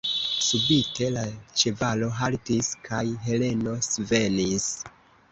Subite la ĉevalo haltis, kaj Heleno svenis.